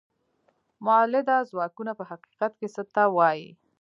مؤلده ځواکونه په حقیقت کې څه ته وايي؟